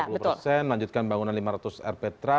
yang terakhir adalah soal pembidikan bangunan lima ratus rptra